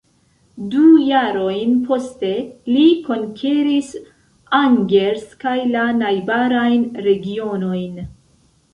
Du jarojn poste, li konkeris Angers kaj la najbarajn regionojn.